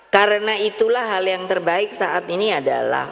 karena itulah hal yang terbaik saat ini adalah